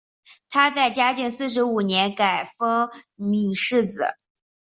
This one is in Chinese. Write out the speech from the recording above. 他在嘉靖四十五年改封岷世子。